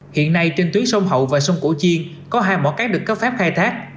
hiện nay trên tuyến sông hậu và sông cổ chiên có hai mỏ cát được cấp phép khai thác